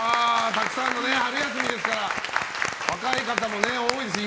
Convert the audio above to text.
たくさんのね、春休みですから若い方も多いですね。